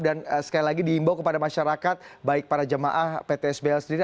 dan sekali lagi diimbau kepada masyarakat baik para jemaah ptsbl sendiri